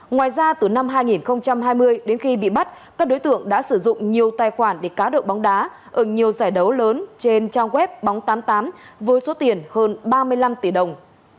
ngoài ra từ năm hai nghìn hai mươi đến khi bị bắt các đối tượng đã sử dụng nhiều tài khoản để cá độ bóng đá ở nhiều giải đấu lớn trên trang web bóng tám mươi tám với số tiền hơn ba mươi năm tỷ đồng